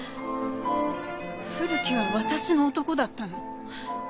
古木は私の男だったの。